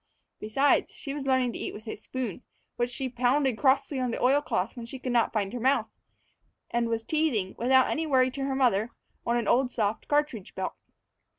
Besides, she was learning to eat with a spoon, which she pounded crossly on the oil cloth when she could not find her mouth, and was teething, without any worry to her mother, on an old soft cartridge belt.